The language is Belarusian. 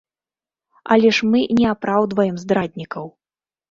Але ж мы не апраўдваем здраднікаў.